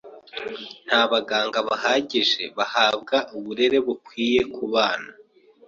Nta baganga bahagije bahabwa uburere bukwiye kubana.